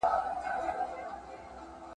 د سېل اوبو اخیستی خلی یمه ,